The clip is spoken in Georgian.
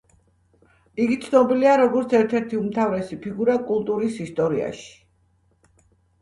იგი ცნობილია, როგორც ერთ-ერთი უმთავრესი ფიგურა კულტურის ისტორიაში.